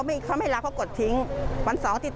มีคนทดสอบหาหันตะวันรึยัง